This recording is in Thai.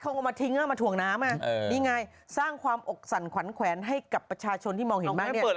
เอามาทิ้งเอามาถ่วงน้ำนี่ไงสร้างความอกสั่นขวัญแขวนให้กับประชาชนที่มองเห็นบ้างเนี่ย